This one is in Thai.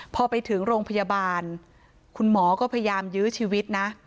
พอไปถึงโรงพยาบาลคุณหมอก็พยายามยื้อชีวิตนะ